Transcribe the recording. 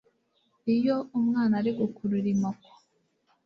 iyo umwana ari gukurura imoko